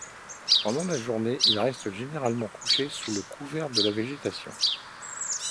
Pendant la journée, il reste généralement couché sous le couvert de la végétation.